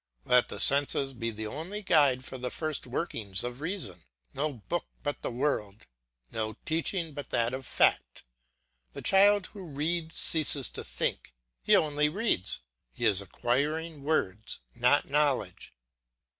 Let the senses be the only guide for the first workings of reason. No book but the world, no teaching but that of fact. The child who reads ceases to think, he only reads. He is acquiring words not knowledge.